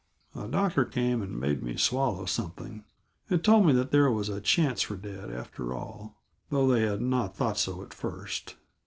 A doctor came and made me swallow something, and told me that there was a chance for dad, after all, though they had not thought so at first.